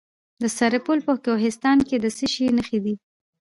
د سرپل په کوهستانات کې د څه شي نښې دي؟